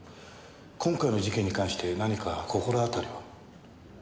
今回の事件に関して何か心当たりは？